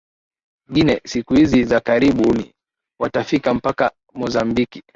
gine siku hizi za karibuni watafika mpaka mozambiki